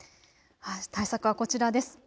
対策はこちらです。